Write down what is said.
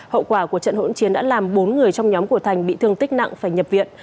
hậu quả của trận hỗn chiến đã làm bốn người trong nhóm của thành bị thương tích nặng phải nhập viện